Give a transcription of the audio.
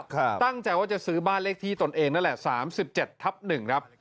เฉียดแล้วตั้งใจจะซื้อบ้านเลขที่ตนเองนั่นแหละ๓๗๑